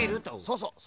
そうそう。